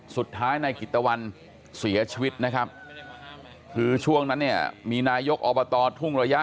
สุดท้ายนายกิตตะวันเสียชีวิตนะครับคือช่วงนั้นเนี่ยมีนายกอบตทุ่งระยะ